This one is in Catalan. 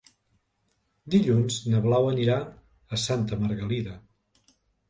Dilluns na Blau anirà a Santa Margalida.